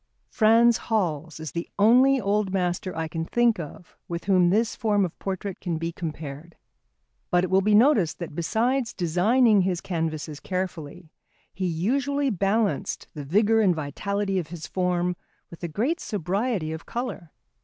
Frans Hals is the only old master I can think of with whom this form of portrait can be compared. But it will be noticed that besides designing his canvases carefully, he usually balanced the vigour and vitality of his form with a great sobriety of colour.